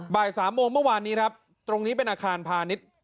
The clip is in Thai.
บ่าย๓โมงเมื่อวานนี้ครับตรงนี้เป็นอาคารพาณิชย์